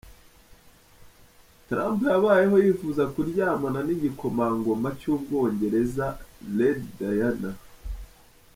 Trump yabayeho yifuza kuryamana n’igikomangoma cy’Ubwongereza ‘Lady Diana’.